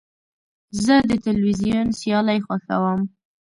زه د تلویزیون سیالۍ خوښوم.